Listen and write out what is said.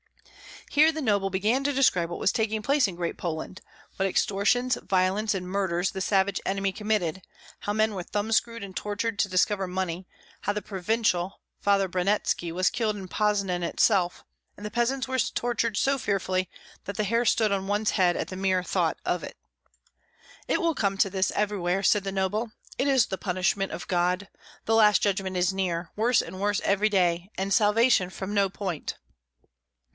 Here the noble began to describe what was taking place in Great Poland, what extortions, violence, and murders the savage enemy committed; how men were thumbscrewed and tortured to discover money; how the Provincial, Father Branetski, was killed in Poznan itself; and peasants were tortured so fearfully that the hair stood on one's head at the mere thought of it. "It will come to this everywhere," said the noble; "it is the punishment of God. The last judgment is near. Worse and worse every day, and salvation from no point."